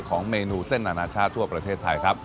เมนูเส้นอนาชาติทั่วประเทศไทยครับ